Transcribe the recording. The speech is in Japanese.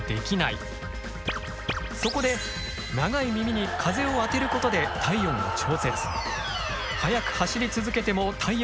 そこで長い耳に風を当てることで体温を調節。